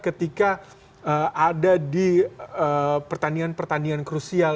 ketika ada di pertandingan pertandingan krusial